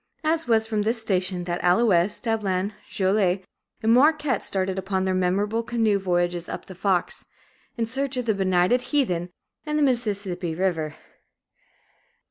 It was from this station that Allouez, Dablon, Joliet, and Marquette started upon their memorable canoe voyages up the Fox, in search of benighted heathen and the Mississippi River.